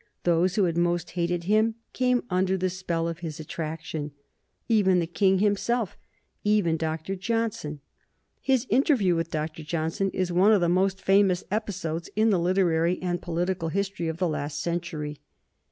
Those who had most hated him came under the spell of his attraction, even the King himself, even Dr. Johnson. His interview with Dr. Johnson is one of the most famous episodes in the literary and political history of the last century.